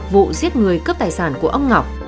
vụ giết người cướp tài sản của ông ngọc